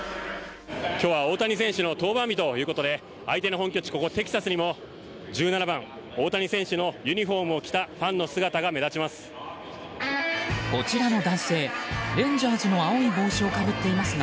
今日は大谷選手の登板日ということで相手の本拠地ここテキサスにも１７番、大谷選手のユニホームを着たファンの姿が目立ちます。